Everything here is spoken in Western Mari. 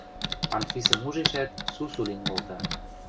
Анфисӹм ужешӓт, сусу лин колта.